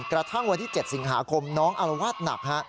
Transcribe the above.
กระทั่งวันที่๗สิงหาคมน้องอารวาสหนักฮะ